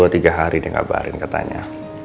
ya sekitar dua tiga hari dia ngabarin katanya